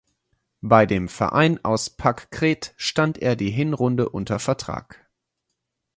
Bei dem Verein aus Pak Kret stand er die Hinrunde unter Vertrag.